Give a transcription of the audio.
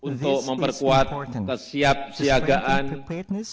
ini penting untuk memperkuat kesiapsiagaan di tingkat nasional kawasan dan negara